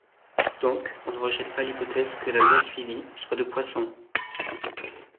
Donc, on ne rejette pas l'hypothèse que la loi suivie soit de Poisson.